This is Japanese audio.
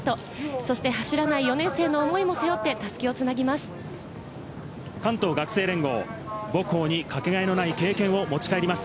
そして走らない４年生の思いも背負って襷をつなぎます。